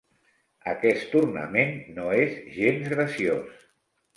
Aquest ornament no és gens graciós.